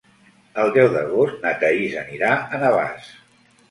El deu d'agost na Thaís anirà a Navàs.